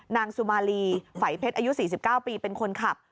นางสุมาลีไฝเพชรอายุ๔๙ปีเป็นคนขับ